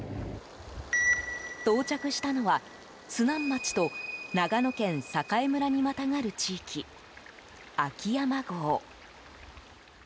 到着したのは津南町と長野県栄村にまたがる地域秋山郷。